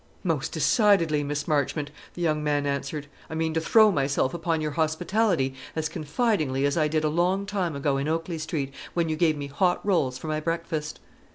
"Most decidedly, Miss Marchmont," the young man answered. "I mean to throw myself upon your hospitality as confidingly as I did a long time ago in Oakley Street, when you gave me hot rolls for my breakfast."